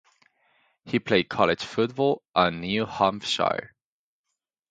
He played college football at New Hampshire.